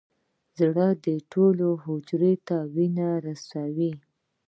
زړه ټولې حجرې ته وینه رسوي.